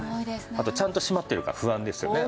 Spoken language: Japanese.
あとちゃんと閉まってるか不安ですよね。